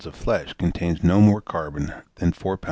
of flesh contain no more carbon than 4 lbs.